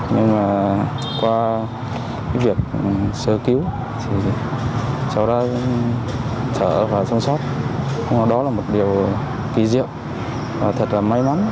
nhưng mà qua việc sơ cứu cháu đã sở và sống sót đó là một điều kỳ diệu và thật là may mắn